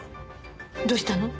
どうしたの？